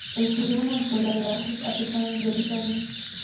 Estudió en la Escuela de Artes Aplicadas de Lucerna.